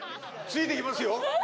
ついていきますよ。